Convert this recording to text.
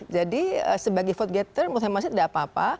jadi sebagai vote gator menurut hemat saya tidak apa apa